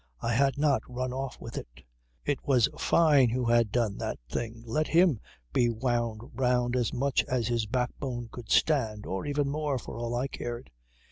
I had not run off with it. It was Fyne who had done that thing. Let him be wound round as much as his backbone could stand or even more, for all I cared.